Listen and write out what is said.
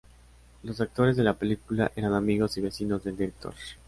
Los actores de la película eran amigos y vecinos del director.